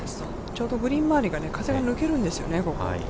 ちょうどグリーン周りが、風が抜けるんですよね、ここ。